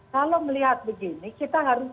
kalau melihat begini kita harus